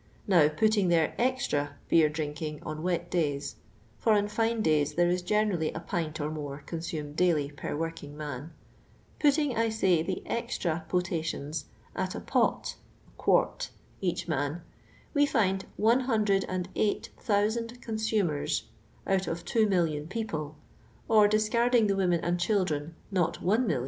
Now, putting their extra beer drinking on wet days — for on fine days there is generally a pint or more consumed daily per working man — ^putting, I say, the extra potations at a pot (quart) each man, we find oiu hmidred and eight tftousand consumers (out of 2,000,000 people, or, discarding th^ women and children, not 1,000,000) !